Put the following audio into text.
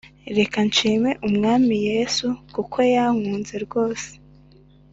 reka nshime umwami yesu kuko yankunze rwose :